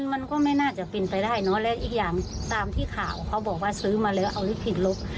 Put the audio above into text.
มันก็ไม่น่าจะเป็นไปได้เนอะและอีกอย่างตามที่ข่าวเขาบอกว่าซื้อมาแล้วเอาลิขิตลบ